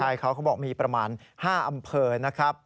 ใช่เขาเขาบอกมีประมาณ๕อำเภอนะครับ